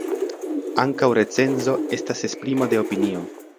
Ankaŭ recenzo estas esprimo de opinio.